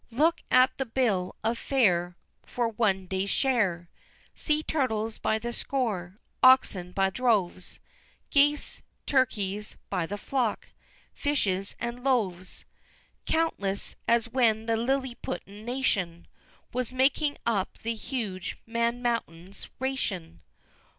Look at the Bill of Fare for one day's share, Sea turtles by the score Oxen by droves, Geese, turkeys, by the flock fishes and loaves Countless, as when the Lilliputian nation Was making up the huge man mountain's ration!